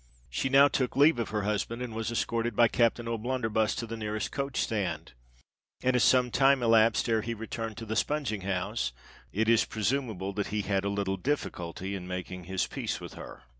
She now took leave of her husband, and was escorted by Captain O'Blunderbuss to the nearest coach stand; and as some time elapsed ere he returned to the spunging house, it is presumable that he had a little difficulty in making his peace with her.